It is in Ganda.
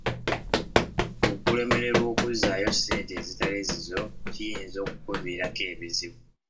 Okulemererwa okuzzaayo ssente ezitali zizo kiyinza okkuviirako ebizibu.